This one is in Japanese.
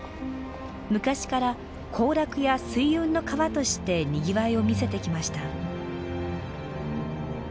昔から行楽や水運の川としてにぎわいを見せてきました。